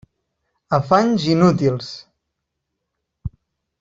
Afanys inútils!